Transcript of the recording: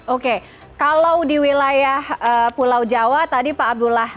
oke kalau di wilayah pulau jawa tadi pak abdullah